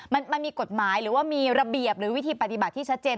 มันมีกฎหมายหรือว่ามีระเบียบหรือวิธีปฏิบัติที่ชัดเจน